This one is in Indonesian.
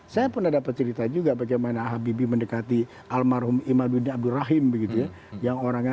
saya pernah dapat cerita juga bagaimana habib mendekati almarhum iman bin abdurrahim gitu ya